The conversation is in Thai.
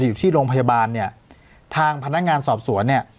อยู่ที่โรงพยาบาลทางพนักงานสอบสวน